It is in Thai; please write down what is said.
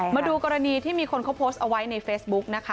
มาดูกรณีที่มีคนเขาโพสต์เอาไว้ในเฟซบุ๊กนะคะ